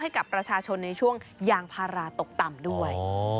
ให้กับประชาชนในช่วงยางพาราตกต่ำด้วย